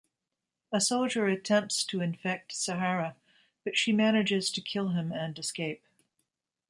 A soldier attempts to infect Sahara, but she manages to kill him and escape.